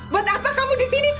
buat apa kamu disini